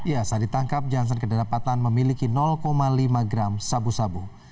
ya saat ditangkap johnson kedapatan memiliki lima gram sabu sabu